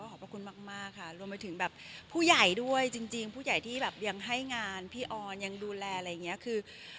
ขอบพระคุณมากค่ะรวมไปถึงแบบผู้ใหญ่ด้วยจริงผู้ใหญ่ที่แบบยังให้งานพี่ออนยังดูแลอะไรอย่างนี้คือ